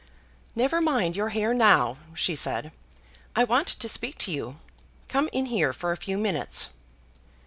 "Never mind your hair now," she said. "I want to speak to you. Come in here for a few minutes."